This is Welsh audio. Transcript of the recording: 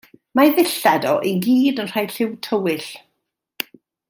Mae 'i ddillad o i gyd yn rhai lliw tywyll.